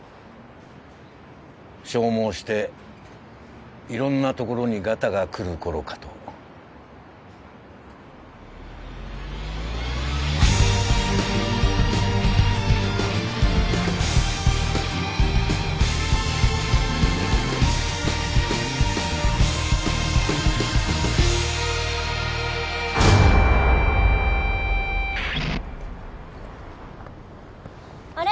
消耗して色んなところにガタがくる頃かとあれ？